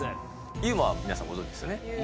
ＵＭＡは皆さん、ご存じですよね。